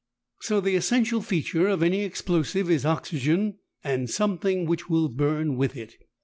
So the essential feature of any explosive is oxygen and something which will burn with it.